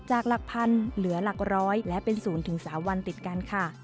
จากหลักพันเหลือหลักร้อยและเป็น๐๓วันติดกันค่ะ